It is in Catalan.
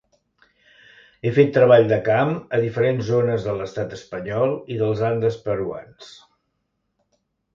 Ha fet treball de camp a diferents zones de l'Estat espanyol i dels Andes peruans.